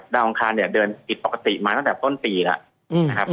ดาวอังคารเดินติดปกติมาตั้งแต่ต้นปีแล้ว